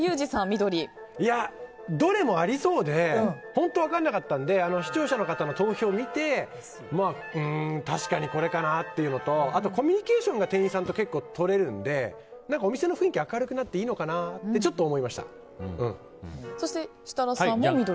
どれもありそうで本当分からなかったので視聴者の方の投票を見て確かに、これかなっていうのとコミュニケーションが店員さんと結構取れるのでお店の雰囲気が明るくなっていいのかなとそして、設楽さんも緑。